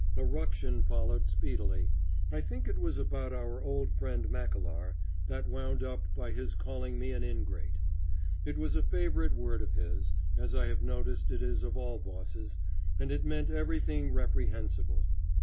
A ruction followed speedily I think it was about our old friend Mackellar that wound up by his calling me an ingrate. It was a favorite word of his, as I have noticed it is of all bosses, and it meant everything reprehensible.